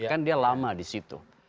kan dia lama di situ